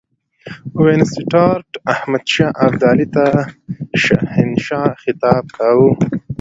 وینسیټارټ احمدشاه ابدالي ته شهنشاه خطاب کاوه.